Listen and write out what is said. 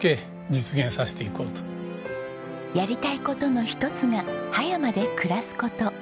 やりたい事の一つが葉山で暮らす事。